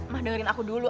ma dengerin aku dulu